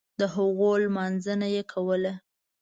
دهغو لمانځنه یې کوله.